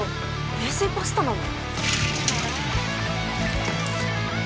冷製パスタなの？